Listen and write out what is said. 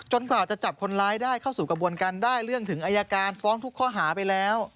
กว่าจะจับคนร้ายได้เข้าสู่กระบวนการได้เรื่องถึงอายการฟ้องทุกข้อหาไปแล้ว